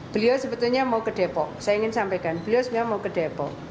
beliau sebetulnya mau ke depok saya ingin sampaikan beliau sebenarnya mau ke depok